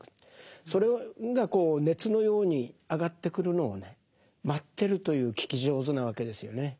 それが熱のように上がってくるのをね待ってるという聞き上手なわけですよね。